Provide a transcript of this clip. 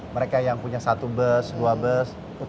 mereka yang punya satu bus dua bus